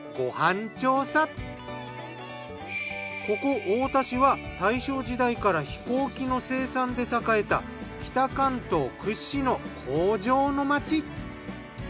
ここ太田市は大正時代から飛行機の生産で栄えた北関東屈指の工場の町。